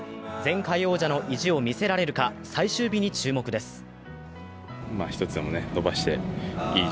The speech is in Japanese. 前回王者の意地を見せられるか最終日に注目です。